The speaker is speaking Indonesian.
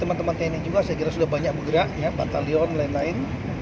teman teman tni juga saya kira sudah banyak bergerak batalion dan lain lain